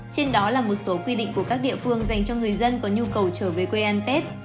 trên đó là một số quy định của các địa phương dành cho người dân có nhu cầu trở về quê ăn tết